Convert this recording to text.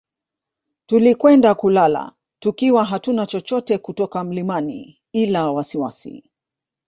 Tulikwenda kulala tukiwa hatuna chochote kutoka mlimani ila wasiwasi